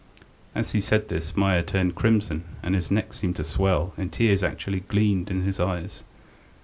As he said this Meier turned crimson, and his neck seemed to swell, and tears actually gleamed in his eyes.